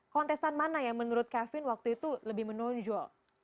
kontestan mana yang menurut kevin waktu itu lebih menonjol